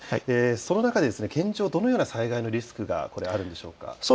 その中で、現状どのような災害のリスクがあるんでしょうか。